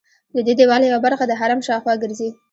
ددې دیوال یوه برخه د حرم شاوخوا ګرځي.